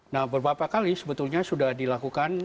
nah beberapa kali sebetulnya sudah dilakukan